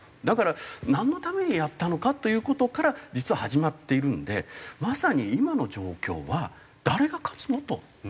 だからなんのためにやったのかという事から実は始まっているんでまさに今の状況は誰が勝つの？と。